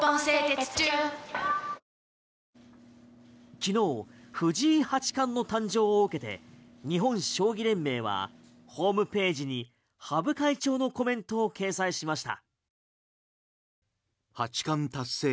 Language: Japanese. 昨日、藤井八冠の誕生を受けて日本将棋連盟はホームページに羽生会長のコメントを掲載しました。